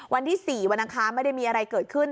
วันที่๔วันอังคารไม่ได้มีอะไรเกิดขึ้น